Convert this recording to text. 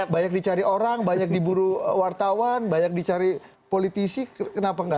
banyak dicari orang banyak diburu wartawan banyak dicari politisi kenapa nggak